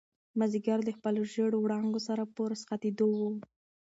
مازیګر د خپلو ژېړو وړانګو سره په رخصتېدو و.